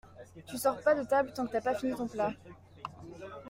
Tu sors pas de table tant que t'as pas fini ton plat.